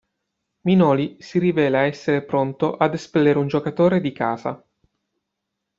Minoli, si rivela essere pronto ad espellere un giocatore di casa.